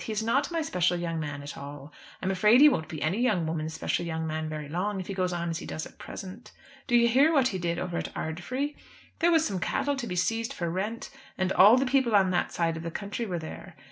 He is not my special young man at all. I'm afraid he won't be any young woman's special young man very long, if he goes on as he does at present. Do you hear what he did over at Ardfry? There was some cattle to be seized for rent, and all the people on that side of the country were there.